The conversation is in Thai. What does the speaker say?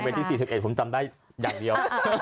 เป็นที่๔๑ผมจำได้อย่างเดียว